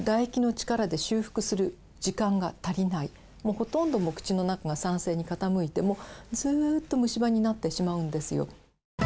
ほとんどもう口の中が酸性に傾いてずっと虫歯になってしまうんですよ。